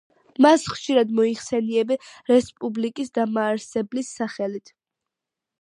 მას ხშირად მოიხსენიებენ „რესპუბლიკის დამაარსებლის“ სახელით.